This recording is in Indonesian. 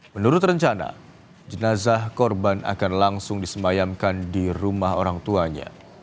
menurut rencana jenazah korban akan langsung disemayamkan di rumah orang tuanya